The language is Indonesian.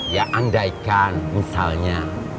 ya andaikan misalnya